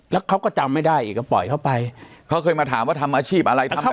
แล้วเขาก็จำไม่ได้อีกก็ปล่อยเข้าไปเขาเคยมาถามว่าทำอาชีพอะไรทำแบบ